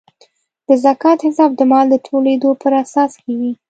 د زکات حساب د مال د ټولیدو پر اساس کیږي.